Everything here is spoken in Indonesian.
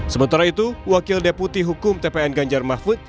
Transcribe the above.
sementara itu wakil deputi hukum tpn ganjar mahfud